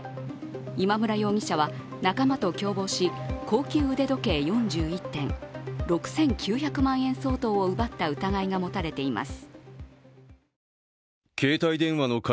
今村容疑者は仲間と共謀し高級腕時計４１点６９００万円相当を奪った疑いが持たれています。